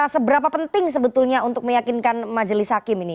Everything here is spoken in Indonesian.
seberapa penting sebetulnya untuk meyakinkan majelis hakim ini